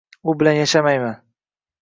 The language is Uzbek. U bilan yashamayman